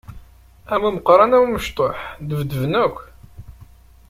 Am umeqqran am umecṭuḥ, ddbedben akk!